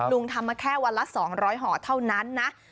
ลุงทำมาแค่วันละ๒๐๐ห่อเท่านั้นนะ